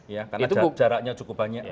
ya karena jaraknya cukup banyak